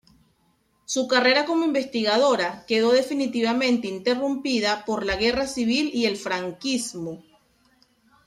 Su carrera como investigadora quedó definitivamente interrumpida por la Guerra Civil y el franquismo.